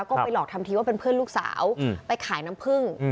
ก็ไปหลอกทำทีว่าเป็นเพื่อนลูกสาวไปขายน้ำผึ้ง